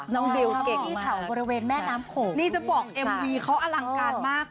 น้องบิวเก่งมากพี่ถามบริเวณแม่น้ำโขงนี่จะบอกเอลังกาดมาก